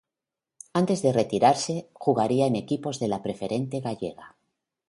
Antes de retirarse, jugaría en equipos de la preferente gallega.